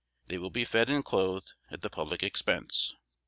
They will be fed and clothed at the public expense."